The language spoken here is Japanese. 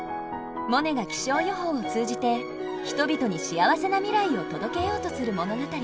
モネが気象予報を通じて人々に幸せな未来を届けようとする物語。